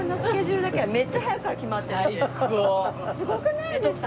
すごくないですか？